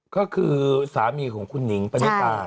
ก็คือสามีของคุณหนิงปณิตา